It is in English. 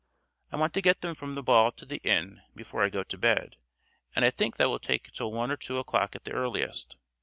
I want to get them from the ball to the inn before I go to bed; and I think that will take till one or two o'clock at the earliest.